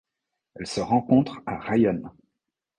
Elle se rencontre à Rayón.